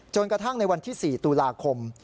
กระทั่งในวันที่๔ตุลาคม